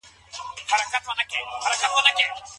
ميرمني ولي خاوند مخکي نه خبراوه؟